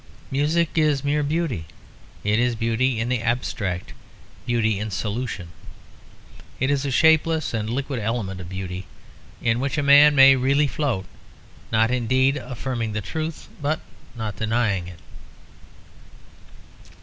Music is mere beauty; it is beauty in the abstract, beauty in solution. It is a shapeless and liquid element of beauty, in which a man may really float, not indeed affirming the truth, but not denying it.